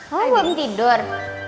mama belum tidur